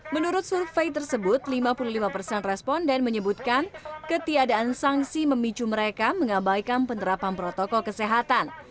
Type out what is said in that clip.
menurut survei tersebut lima puluh lima persen responden menyebutkan ketiadaan sanksi memicu mereka mengabaikan penerapan protokol kesehatan